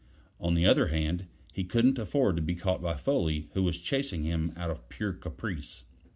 On the other hand, he couldn't afford to be caught by Foley, who was chasing him out of pure caprice.